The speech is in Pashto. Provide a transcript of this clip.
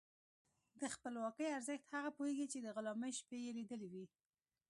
د خپلواکۍ ارزښت هغه پوهېږي چې د غلامۍ شپې یې لیدلي وي.